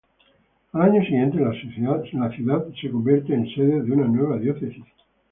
Al año siguiente la ciudad se convierte en sede de una nueva diócesis.